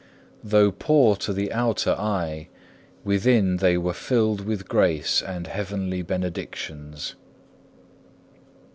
Though poor to the outer eye, within they were filled with grace and heavenly benedictions.